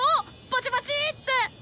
バチバチって！